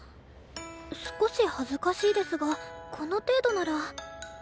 少し恥ずかしいですがこの程度なら